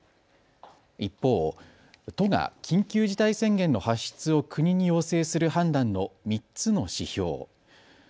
一方、都が緊急事態宣言の発出を国に要請する判断の３つの指標。